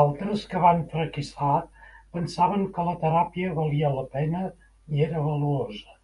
Altres que van fracassar pensaven que la teràpia valia la pena i era valuosa.